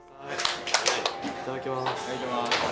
いただきます。